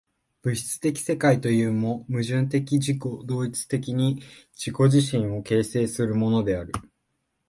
物質的世界というも、矛盾的自己同一的に自己自身を形成するものである。